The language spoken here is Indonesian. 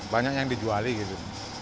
banyak yang dijuali gitu